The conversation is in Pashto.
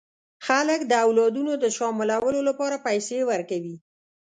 خلک د اولادونو د شاملولو لپاره پیسې ورکوي.